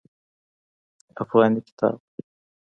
افغاني کتاب